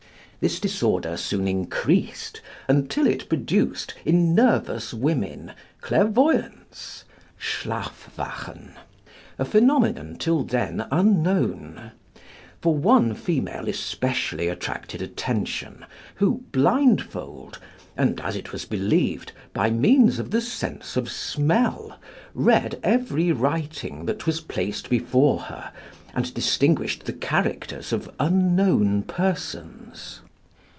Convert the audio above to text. The disorder soon increased, until it produced, in nervous women, clairvoyance (Schlafwachen), a phenomenon till then unknown; for one female especially attracted attention, who, blindfold, and, as it was believed, by means of the sense of smell, read every writing that was placed before her, and distinguished the characters of unknown persons.